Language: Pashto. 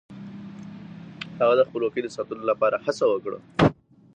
هغه د خپلواکۍ د ساتنې لپاره هڅه وکړه.